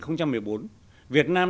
năm hai nghìn một mươi bốn việt nam